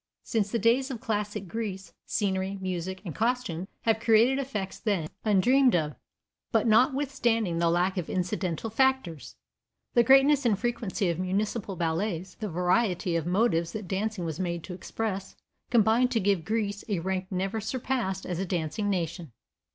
Since the days of classic Greece, scenery, music and costume have created effects then undreamed of, but notwithstanding the lack of incidental factors, the greatness and frequency of municipal ballets, the variety of motives that dancing was made to express, combine to give Greece a rank never surpassed as a dancing nation.